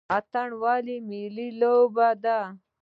اتن ولې ملي لوبه ده؟